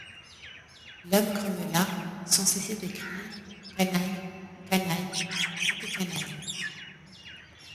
L’homme grommela, sans cesser d’écrire: — Canaille! canaille ! tout est canaille !